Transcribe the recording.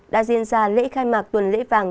đã diễn ra lễ khai mạc tuần lễ vàng